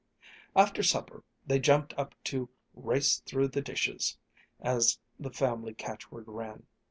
After supper they jumped up to "race through the dishes," as the family catchword ran.